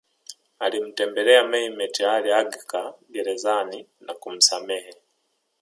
Alimtembelea Mehmet Ali Agca gerezani na kumsamehe